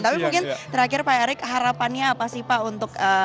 tapi mungkin terakhir pak erick harapannya apa sih pak untuk